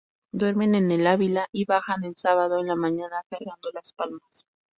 Duermen en El Ávila y bajan el sábado en la mañana cargando las palmas.